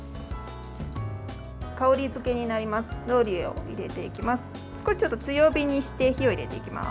香り付けになります